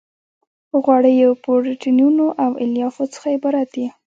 غوړیو پروتینونو او الیافو څخه عبارت دي.